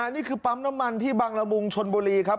นี่คือปั๊มน้ำมันที่บังละมุงชนบุรีครับ